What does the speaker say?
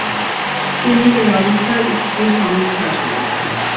তিনি এ অবস্থায় স্ত্রীর সম্মুখে আসলেন।